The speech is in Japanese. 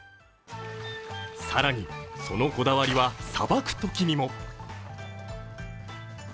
更に、そのこだわりはさばくときにも。